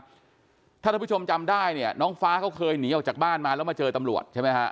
ถ้าท่านผู้ชมจำได้เนี่ยน้องฟ้าเขาเคยหนีออกจากบ้านมาแล้วมาเจอตำรวจใช่ไหมฮะ